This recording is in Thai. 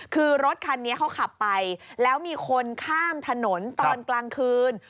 คือรถคันนี้เขาขับไปแล้วมีคนข้ามถนนตอนกลางคืน